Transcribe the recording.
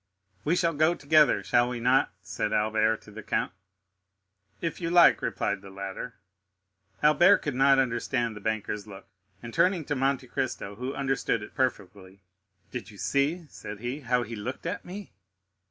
"We shall go together, shall we not?" said Albert to the count. "If you like," replied the latter. Albert could not understand the banker's look, and turning to Monte Cristo, who understood it perfectly,—"Did you see," said he, "how he looked at me?"